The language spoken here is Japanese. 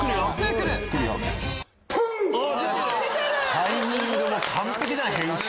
タイミングも完璧じゃない編集。